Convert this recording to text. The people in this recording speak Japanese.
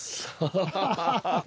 ハハハハ。